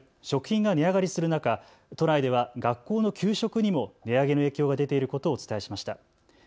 食品が値上がりする中、都内では学校の給食にも値上げの影響が出ていることをお伝えしました。